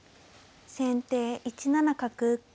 先手１七角。